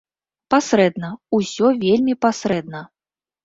Пасрэдна, усё вельмі пасрэдна.